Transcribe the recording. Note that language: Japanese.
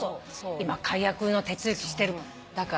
今解約の手続きしてるもん。